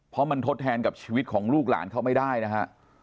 เพราะมันทดแทนกับชีวิตของลูกหลานเขาไม่ได้นะฮะ